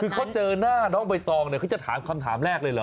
คือเขาเจอหน้าน้องใบตองเนี่ยเขาจะถามคำถามแรกเลยเหรอ